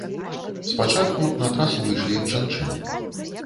Спачатку на трасу выйшлі жанчыны.